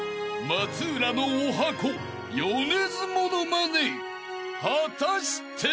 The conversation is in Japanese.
［松浦のおはこ米津モノマネ果たして？］